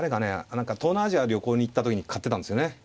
何か東南アジア旅行に行った時に買ってたんですよね。